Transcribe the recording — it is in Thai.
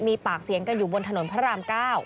มีปากเสียงกันอยู่บนถนนพระราม๙